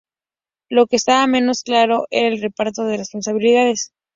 Lo que estaba menos claro era el reparto de responsabilidades.